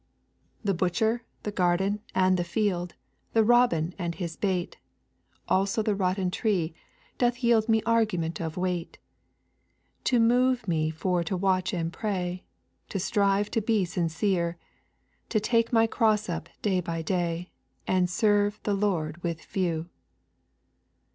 The butcher, garden, and the field, The robin and his bait, Also the rotten tree, doth yield Me argument of weight; To move me for to watch and pray, To strive to be sincere, To take my cross up day by day, And serve the Lord with few.'